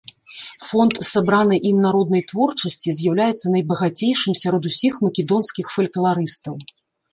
Фонд сабранай ім народнай творчасці з'яўляецца найбагацейшым сярод усіх македонскіх фалькларыстаў.